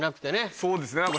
そうですね何か。